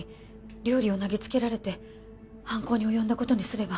料理を投げつけられて犯行に及んだことにすれば